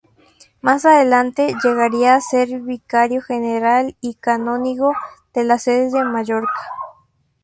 Más adelante llegaría a ser vicario general y canónigo de la Sede de Mallorca.